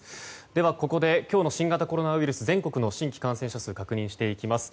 ではここで今日の新型コロナウイルス全国の新規感染者数を確認していきます。